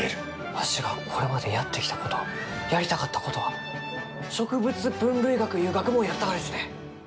わしがこれまでやってきたことやりたかったことは、植物分類学ゆう学問やったがですね！